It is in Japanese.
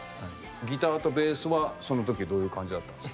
ギターとベースはその時どういう感じだったんですか？